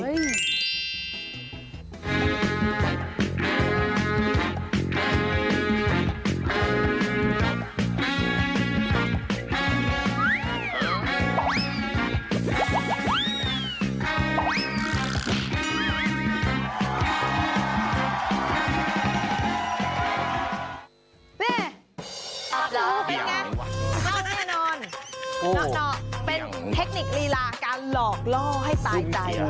นี่เป็นไงเล่าแน่นอนเป็นเทคนิคดีลาการหลอกล่อให้ตายใจ